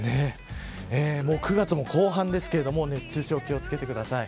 ９月も後半ですけれども熱中症に気を付けてください。